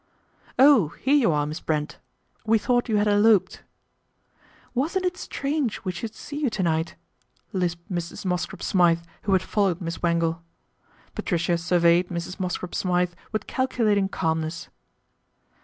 "Oh! here you are, Miss Brent; we thought you had eloped." " Wasn't it strange we should see you to night ?" lisped Mrs. Mosscrop Smythe, who had followed Miss Wangle. Patricia surveyed Mrs. Mosscrop Smythe with calculating calmness.